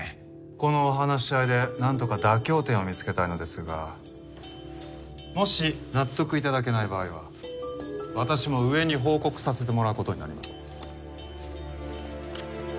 このお話し合いでなんとか妥協点を見つけたいのですがもし納得頂けない場合は私も上に報告させてもらう事になります。